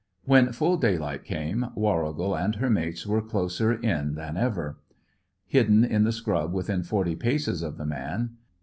] When full daylight came, Warrigal and her mates were closer in than ever; hidden in the scrub within forty paces of the man.